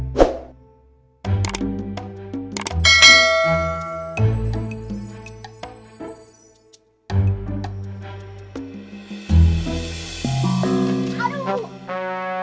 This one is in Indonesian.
tolong pada hantu